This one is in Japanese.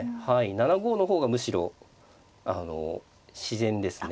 ７五の方がむしろ自然ですね。